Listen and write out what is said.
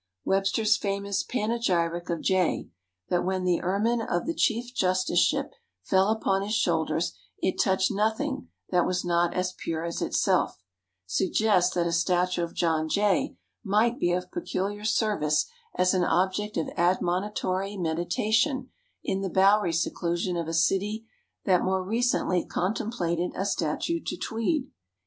Webster's famous panegyric of Jay, that when the ermine of the Chief Justiceship fell upon his shoulders it touched nothing that was not as pure as itself, suggests that a statue of John Jay might be of peculiar service as an object of admonitory meditation in the bowery seclusion of a city that more recently contemplated a statue to Tweed.